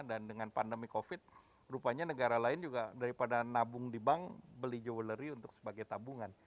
dan dengan pandemic covid rupanya negara lain juga daripada nabung di bank beli jewelry untuk sebagai tabungan